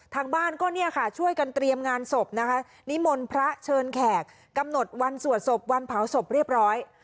ทางบ้านก็เนี่ยค่ะช่วยกันเตรียมงานศพนะคะนิมนต์พระเชิญแขกกำหนดวันสวดศพวันเผาศพเรียบร้อย